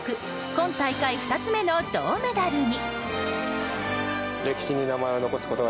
今大会２つ目の銅メダルに。